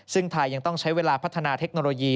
ซึ่งไทยยังต้องใช้เวลาพัฒนาเทคโนโลยี